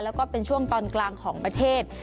แล้วก็เป็นช่วงตอนกลางของประเทศ